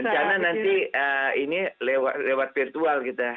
jangan nanti ini lewat virtual kita